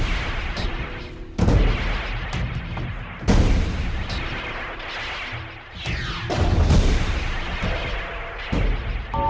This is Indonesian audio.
aku akan menunggu